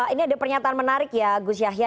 ini ada pernyataan menarik ya gus yahya